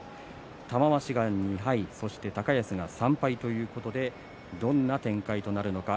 玉鷲が２敗、高安が３敗ということでどんな展開となるのか。